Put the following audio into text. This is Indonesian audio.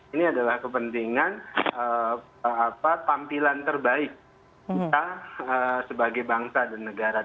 ini adalah kepentingan tampilan terbaik kita sebagai bangsa dan negara